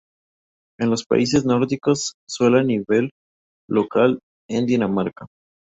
En los países nórdicos suela a nivel local en Dinamarca.